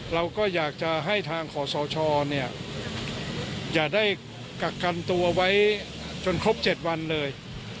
เราก็อยากจะให้ทางขอสชเนี่ยอย่าได้กักกันตัวไว้จนครบ๗วันเลย